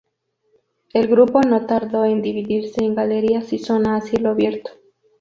El grupo no tardó en dividirse en galerías y zona a cielo abierto.